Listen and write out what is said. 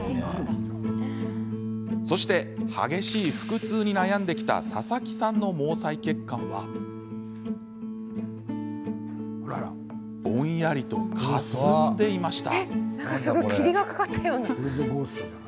そして、激しい腹痛に悩んできた佐々木さんの毛細血管はぼんやりと、かすんでいました。